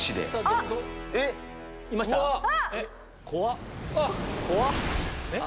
怖っ！